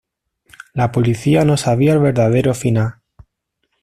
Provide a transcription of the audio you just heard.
La policía no sabía el verdadero final.